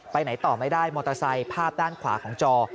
ไปไหนต่อไม่ได้มอเตอร์ไซค์ภาพด้านขวาของจอ